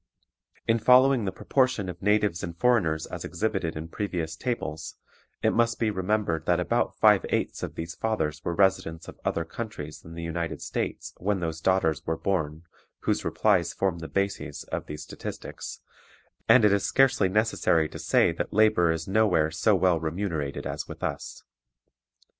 In following the proportion of natives and foreigners as exhibited in previous tables, it must be remembered that about five eighths of these fathers were residents of other countries than the United States when those daughters were born whose replies form the bases of these statistics, and it is scarcely necessary to say that labor is nowhere so well remunerated as with us.